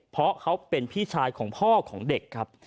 เพราะเขาเป็นพี่ชายของพ่อของเด็กครับ